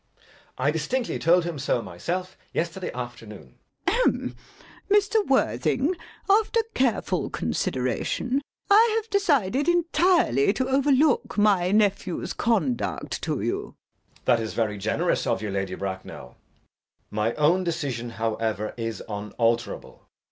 I distinctly told him so myself yesterday afternoon. LADY BRACKNELL. Ahem! Mr. Worthing, after careful consideration I have decided entirely to overlook my nephew's conduct to you. JACK. That is very generous of you, Lady Bracknell. My own decision, however, is unalterable.